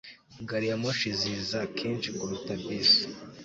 gariyamoshi ziza kenshi kuruta bisi